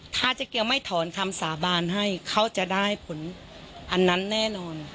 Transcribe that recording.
ถ้าเจ๊เกียวไม่ถอนคำสาบานให้เขาจะได้ผลอันนั้นแน่นอน